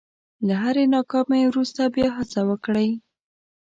له هرې ناکامۍ وروسته بیا هڅه وکړئ.